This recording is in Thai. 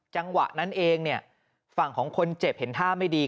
จังหวะนั้นเองเนี่ยฝั่งของคนเจ็บเห็นท่าไม่ดี